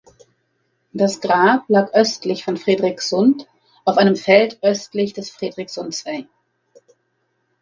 Das Grab lag östlich von Frederikssund auf einem Feld östlich des Frederikssundsvej.